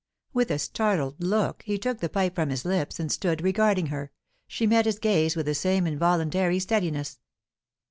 With a startled look, he took the pipe from his lips, and stood regarding her; she met his gaze with the same involuntary steadiness.